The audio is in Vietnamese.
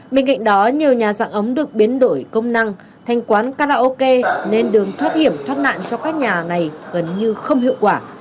bên cạnh đó nhiều nhà dạng ấm được biến đổi công năng thành quán karaoke nên đường thoát hiểm thoát nạn cho các nhà này gần như không hiệu quả